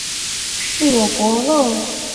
官至漕运总督。